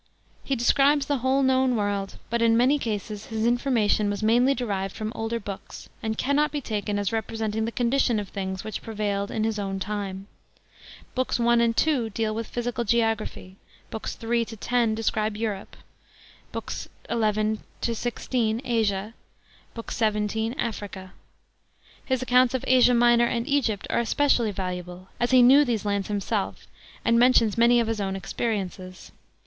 He describes the whole known world, but in many cases his information was mainly derived from older books, and cannot be taken as representing the condition of things which pre vailed in his own time. Books i and ii. deal with physical g^ogra] >hy, Books iii. to x. describe Eur pe, Books xi to xvi. Asia, Book xvii. Africa. His accounts of As'a Minor and '''gypt are especially valuable, as he knew these lands himself and mentions many of his own experiences.